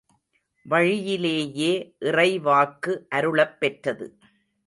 வழியிலேயே, இறைவாக்கு அருளப் பெற்றது.